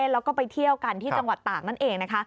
แล้วก็ไปเที่ยวกันที่จังหวัดตากนั่นเองนะคะ